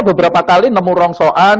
beberapa kali nemu rongsoan